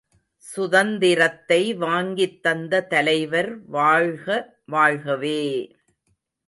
சுதந்தி ரத்தை வாங்கித் தந்த தலைவர் வாழ்க, வாழ்கவே!